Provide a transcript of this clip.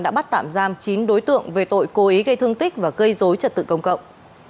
đã bắt tạm giam chín đối tượng về tội cố ý gây thương tích và gây dối trật tự công cộng